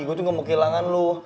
gue tuh ga mau kehilangan lo